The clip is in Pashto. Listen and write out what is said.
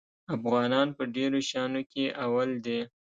افغانان په ډېرو شیانو کې اول دي.